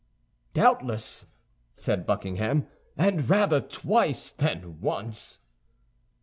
"Doubtless," said Buckingham, "and rather twice than once."